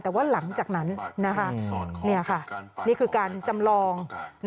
แต่ว่าหลังจากนั้นนี่คือการจำลอง